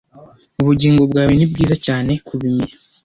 ubugingo bwawe ni bwiza cyane kubimenya